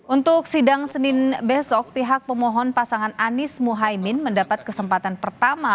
untuk sidang senin besok pihak pemohon pasangan anies mohaimin mendapat kesempatan pertama